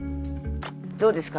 どうですか？